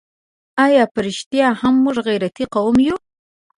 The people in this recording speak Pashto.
آیا په رښتیا هم موږ غیرتي قوم یو؟